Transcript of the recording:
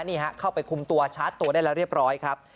นี่ฮะเข้าไปคุมตัวชาร์จตัวได้แล้วเรียบร้อยครับ